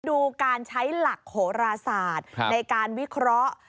ดูการใช้หลักโหราศาสตร์ในการวิเคราะห์